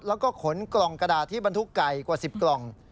แล้วก็ขนกล่องกระดาษที่บรรทุกไก่กว่า๑๐กล่อง